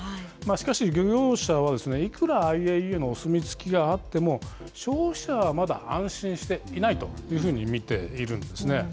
しかし、漁業者は、いくらＩＡＥＡのお墨付きがあっても、消費者はまだ安心していないというふうに見ているんですね。